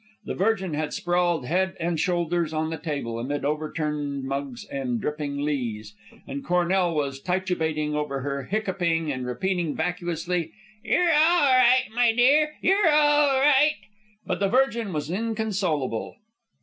The Virgin had sprawled head and shoulders on the table, amid overturned mugs and dripping lees, and Cornell was tittubating over her, hiccoughing, and repeating vacuously, "You're all right, my dear. You're all right." But the Virgin was inconsolable.